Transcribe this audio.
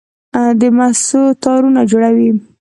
د مسو تارونه جوړوي.